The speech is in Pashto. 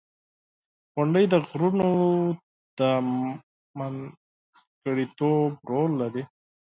• غونډۍ د غرونو د منځګړیتوب رول لري.